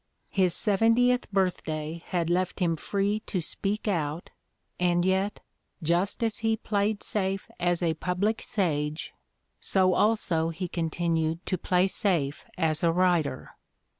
His seventieth birthday had left him free to speak out; and yet, just as he "played safe" as a public sage, so also he continued to play safe as a writer.